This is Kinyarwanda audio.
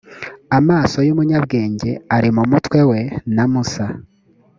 amaso y umunyabwenge ari mu mutwe we na musa